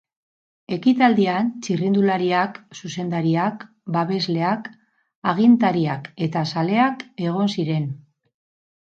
Ekitaldian, txirrindulariak, zuzendariak, babesleak, agintariak eta zaleak egon ziren.